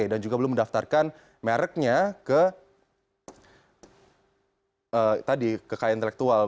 dan juga belum mendaftarkan mereknya ke kekayaan intelektual